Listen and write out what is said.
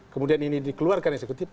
kemudian ini dikeluarkan eksekutif